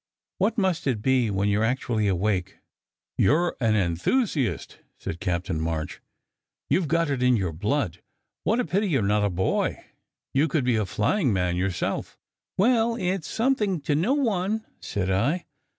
What must it be when you re actually awake?" " You are an enthusiast," said Captain March. " You Ve got it in your blood. What a pity you re not a boy. You could be a * flying man yourself." "Well/it s something to know one," said I.